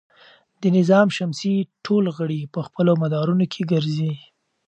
د نظام شمسي ټول غړي په خپلو مدارونو کې ګرځي.